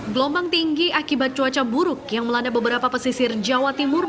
gelombang tinggi akibat cuaca buruk yang melanda beberapa pesisir jawa timur